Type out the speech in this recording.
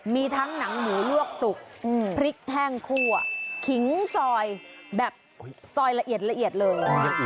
มีทั้งหนังหมูลวกสุกพริกแห้งคั่วขิงซอยแบบซอยละเอียดละเอียดเลย